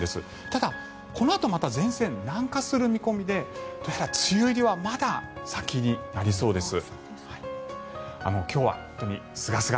ただ、このあとまた前線南下する見込みでどうやら梅雨入りはまだ先になりそうです。